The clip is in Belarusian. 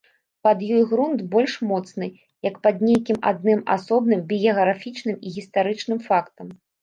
Пад ёй грунт больш моцны, як пад нейкім адным асобным біяграфічным і гістарычным фактам.